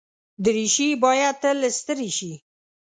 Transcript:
دریشي باید تل استری شي.